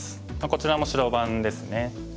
こちらも白番ですね。